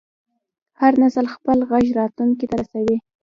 هر نسل خپل غږ راتلونکي ته رسوي.